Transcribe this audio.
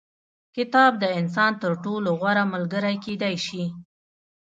کتاب د انسان تر ټولو غوره ملګری کېدای سي.